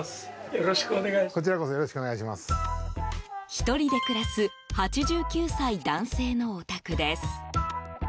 １人で暮らす８９歳、男性のお宅です。